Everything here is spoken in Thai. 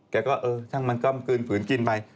แกเออช่างมันกล้อมกลืนฝืนกลิ่นไป